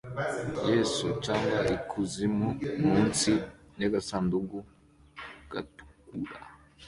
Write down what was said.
Yesu cyangwa Ikuzimu" munsi yagasanduku gatukura